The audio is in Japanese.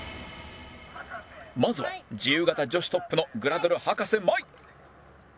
まずは自由形女子トップのグラドル葉加瀬マイ